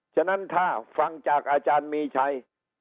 ฉะนั้นถ้าฟังจากอาจารย์มีชัย